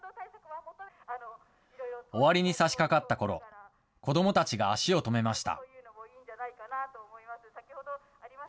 終わりにさしかかったころ、子どもたちが足を止めました。